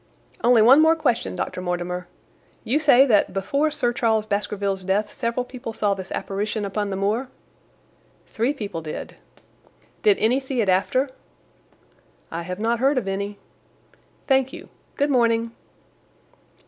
"Only one more question, Dr. Mortimer. You say that before Sir Charles Baskerville's death several people saw this apparition upon the moor?" "Three people did." "Did any see it after?" "I have not heard of any." "Thank you. Good morning."